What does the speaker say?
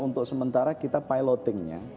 untuk sementara kita pilotingnya